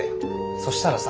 そしたらさ